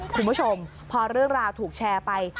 คุณผู้ชมพอเรื่องราวถูกแชร์ไป